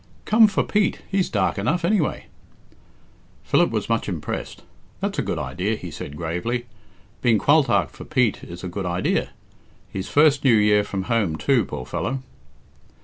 "Come for Pete he's dark enough, anyway." Philip was much impressed. "That's a good idea," he said gravely. "Being qualtagh for Pete is a good idea. His first New Year from home, too, poor fellow!"